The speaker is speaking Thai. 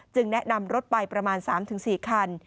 แนะนำรถไปประมาณ๓๔คัน